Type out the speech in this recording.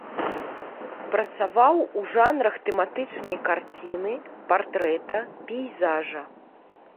Працаваў у жанрах тэматычнай карціны, партрэта, пейзажа.